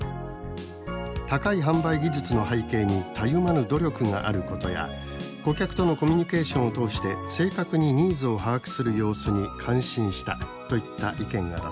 高い販売技術の背景にたゆまぬ努力があることや顧客とのコミュニケーションを通して正確にニーズを把握する様子に感心した」といった意見が出されました。